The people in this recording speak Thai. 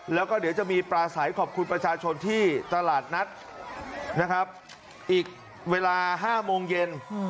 แล้วก็เดี๋ยวจะมีปลาสายขอบคุณประชาชนที่ตลาดนัดนะครับอีกเวลา๕โมงเย็น